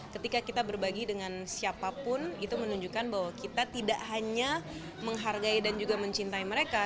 ketika kita berbagi dengan siapapun itu menunjukkan bahwa kita tidak hanya menghargai dan juga mencintai mereka